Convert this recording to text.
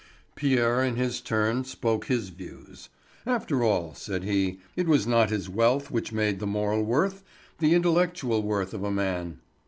Pierre, in his turn, spoke his views. After all, said he, it was not his wealth which made the moral worth, the intellectual worth of a man.